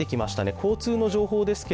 交通の情報です。